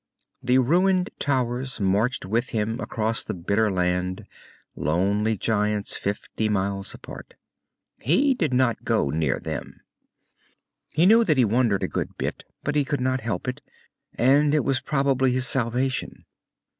The ruined towers marched with him across the bitter land, lonely giants fifty miles apart. He did not go near them. He knew that he wandered a good bit, but he could not help it, and it was probably his salvation.